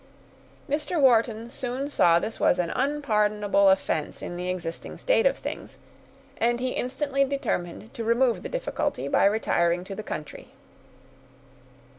Mr. Wharton soon saw this was an unpardonable offense in the existing state of things, and he instantly determined to remove the difficulty, by retiring to the country.